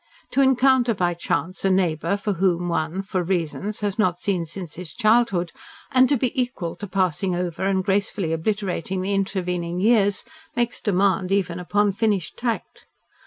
To encounter by chance a neighbour whom one for reasons has not seen since his childhood, and to be equal to passing over and gracefully obliterating the intervening years, makes demand even upon finished tact.